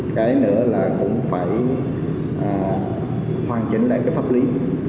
cái nữa là cũng phải hoàn chỉnh lại cái pháp lý